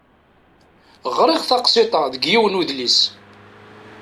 Ɣriɣ taqsiṭ-a deg yiwen udlis.